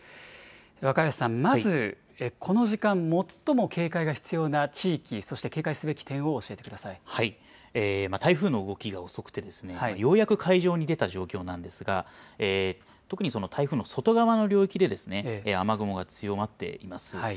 若林さん、まずこの時間、最も警戒が必要な地域、そして警戒すべき点を教え台風の動きが遅くて、ようやく海上に出た状況なんですが、特に台風の外側の領域で、雨雲が強まっています。